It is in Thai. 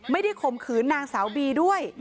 ไม่ได้ขหมขืนนางสาวบีด้วย